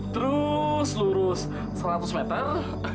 terus lurus seratus meter